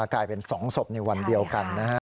กลายเป็น๒ศพในวันเดียวกันนะฮะ